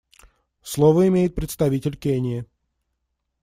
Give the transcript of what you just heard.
Слово имеет представитель Кении.